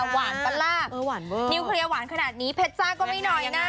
หวานปะล่านิวเคลียร์หวานขนาดนี้เพชรจ้าก็ไม่น้อยนะ